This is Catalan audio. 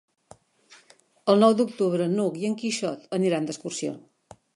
El nou d'octubre n'Hug i en Quixot aniran d'excursió.